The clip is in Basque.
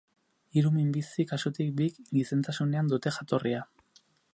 Hiru minbizi-kasutik bik gizentasunean dute jatorria.